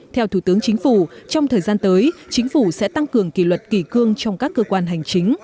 theo thủ tướng chính phủ trong thời gian tới chính phủ sẽ tăng cường kỷ luật kỳ cương trong các cơ quan hành chính